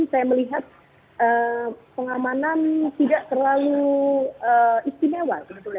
saya melihat pengamanan tidak terlalu istimewa sebetulnya